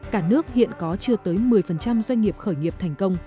cả nước hiện có chưa tới một mươi doanh nghiệp khởi nghiệp thành công